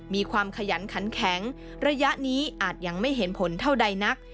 มีความขยันขันแข็งระยะนี้อาจยังไม่เห็นผลเท่าใดนัก